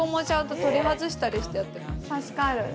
助かる。